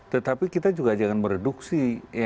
tetapi kita juga jangan mereduksi